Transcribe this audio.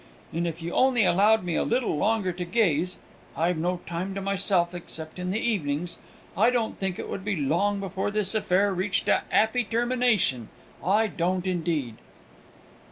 And if you only allowed me a little longer to gaze (I've no time to myself except in the evenings), I don't think it would be long before this affair reached a 'appy termination I don't indeed!"